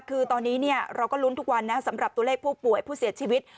คือตอนนี้เราก็ลุ้นทุกวันนะสำหรับตัวเลขผู้ป่วยผู้เสียชีวิต